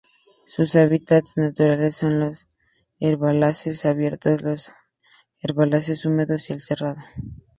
Sus hábitats naturales son los herbazales abiertos, los herbazales húmedos y el cerrado.